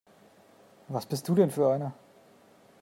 Was bist du denn für einer?